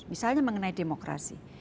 misalnya mengenai demokrasi